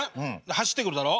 走ってくるだろ？